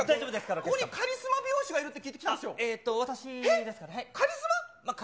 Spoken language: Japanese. ここにカリスマ美容師がいるって聞いてきたんですえーと、私ですかね。。